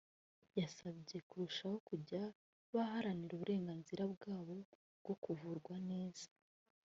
yabasabye kurushaho kujya baharanira uburenganzira bwabo bwo kuvurwa neza